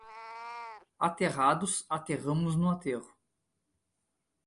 Aterrados aterramos no aterro.